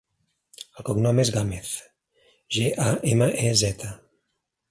El cognom és Gamez: ge, a, ema, e, zeta.